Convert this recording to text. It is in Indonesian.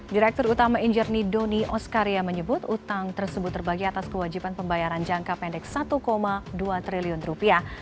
direktur utama injernie doni oscarya menyebut utang tersebut terbagi atas kewajiban pembayaran jangka pendek satu dua triliun rupiah